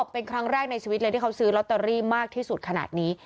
เป็นครั้งแรกในชีวิตเลยที่เขาซื้อลอตเตอรี่มากที่สุดขนาดนี้